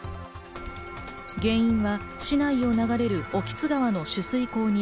原因は市内を流れる興津川の取水口に